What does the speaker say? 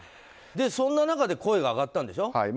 そんな中で声が上がったんでしょ。